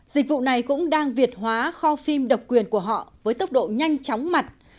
dịch vụ này cũng đang việt hóa kho phim độc quyền của họ với tốc độ nhanh chóng mặt